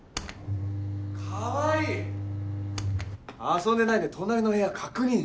・遊んでないで隣の部屋確認！